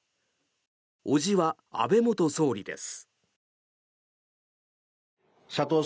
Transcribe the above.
伯父は安倍元総理です。